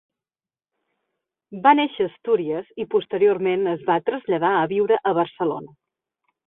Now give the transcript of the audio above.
Va néixer a Astúries i posteriorment es va traslladar a viure a Barcelona.